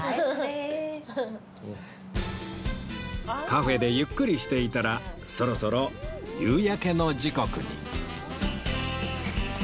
カフェでゆっくりしていたらそろそろ夕焼けの時刻に